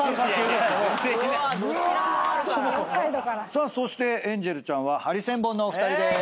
さあそしてエンジェルちゃんはハリセンボンのお二人でーす。